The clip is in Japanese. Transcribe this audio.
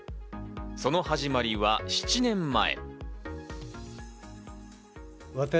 その始まりは７年前。